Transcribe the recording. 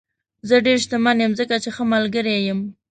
زه ډېر شتمن یم ځکه چې ښه ملګري لرم.